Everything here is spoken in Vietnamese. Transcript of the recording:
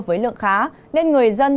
với lượng khá nên người dân